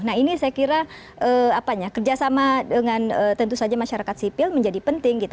nah ini saya kira kerjasama dengan tentu saja masyarakat sipil menjadi penting gitu